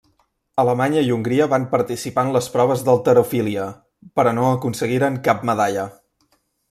Alemanya i Hongria van participar en les proves d'halterofília, però no aconseguiren cap medalla.